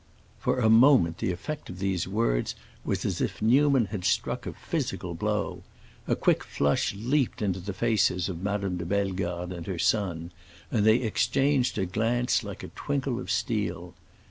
For a moment the effect of these words was as if Newman had struck a physical blow. A quick flush leaped into the faces of Madame de Bellegarde and her son, and they exchanged a glance like a twinkle of steel.